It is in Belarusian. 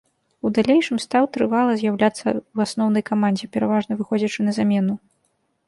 У далейшым стаў трывала з'яўляцца ў асноўнай камандзе, пераважна выходзячы на замену.